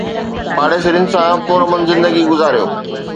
پاڙيسرين سان پرامن زندگي گذاريو